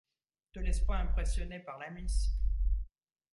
Te laisse pas impressionner par la miss.